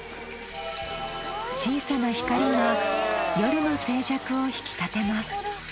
小さな光が夜の静寂を引き立てます。